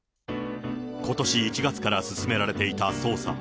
ことし１月から進められていた捜査。